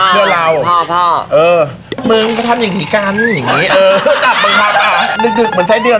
ลึกเหมือนทรายเดื่อนไหม